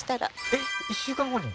えっ１週間後に？